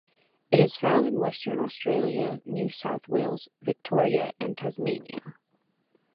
It is found in Western Australia, New South Wales, Victoria and Tasmania.